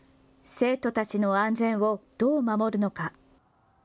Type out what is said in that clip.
生徒たちの安全をどう守るのか。